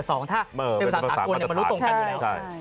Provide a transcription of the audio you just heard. ถ้าเป็นภาษาสากลมันรู้ตรงกันอยู่แล้ว